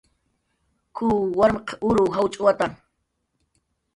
"K""uw warmq uruw jawchwata "